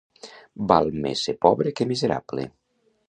Val més ser pobre que miserable.